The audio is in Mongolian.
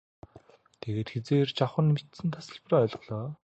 Тэгээд хэзээ ирж авахы нь бичсэн тасалбар олголоо.